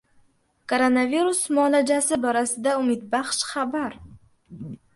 Koronavirus muolajasi borasida umidbaxsh xabar